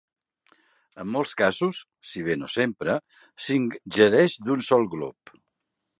En molts casos, si bé no sempre, s'ingereix d'un sol glop.